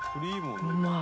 うまい。